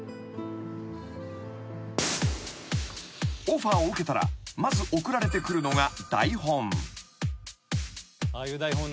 ［オファーを受けたらまず送られてくるのが］